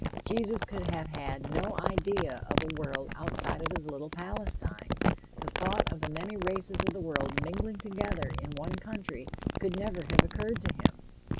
Jesus could have had no idea of a world outside of his little Palestine. The thought of the many races of the world mingling together in one country could never have occurred to him.